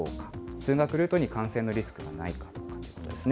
通学ルートに感染のリスクがないかということですね。